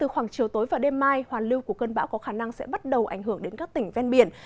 khoảng chiều tối và đêm mai hoàn lưu của cơn bão có khả năng sẽ bắt đầu ảnh hưởng đến các tỉnh ven biển